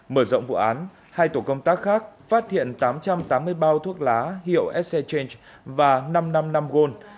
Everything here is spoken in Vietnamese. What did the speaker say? mở rộng vụ án hai tổ công tác khác phát hiện tám trăm tám mươi bao thuốc lá hiệu scent và năm trăm năm mươi năm gold